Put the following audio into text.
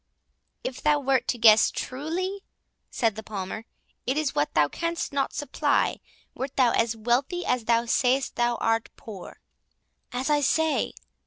"If thou wert to guess truly," said the Palmer, "it is what thou canst not supply, wert thou as wealthy as thou sayst thou art poor." "As I say?"